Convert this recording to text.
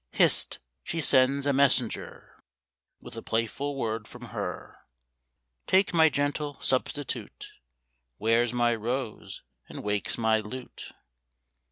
Hist ! she sends a messenger With a playful word from her : "Take my gentle substitute Wears my rose and wakes my lute.